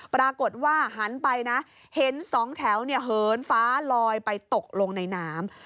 ปรากฏว่าหันไปนะเห็นสองแถวเหินฟ้าลอยไปตกลงในน้ำ